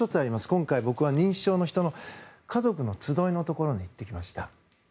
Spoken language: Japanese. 今回、僕は認知症の人の家族の集いのところに行ってきました。